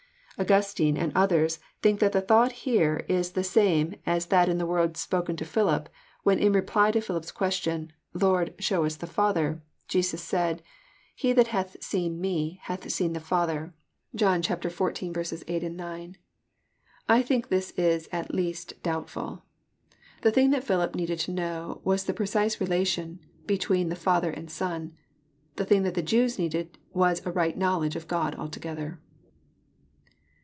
Augustine and others think that the thought here is the same 1 86 EXPOSITORY THOUGHTS. • as that in the words spoken to Philip, when in reply to Philip's question, <'Lord, show us the Father," Jesus said, <*He that hath seen Me hath seen the Father." (John xiv. 8, 9.) I think this is at least doubtful. The thing that Philip needed to know was the precise relation between the Father and Son. The thing that the Jews needed was a right knowledge of God alto gether.